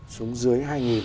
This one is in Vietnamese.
xuống dưới hai nghìn